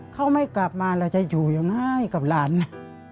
เขาไม่กลับมาเราจะอยู่ยังไงกับหลานนะ